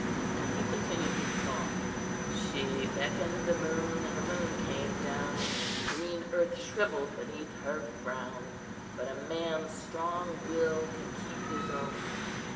And he continued his song— "She beckoned the moon, and the moon came down; The green earth shrivelled beneath her frown; But a man's strong will can keep his own."